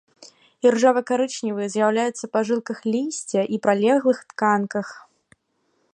Іржава-карычневыя з'яўляюцца па жылках лісця і прылеглых тканках.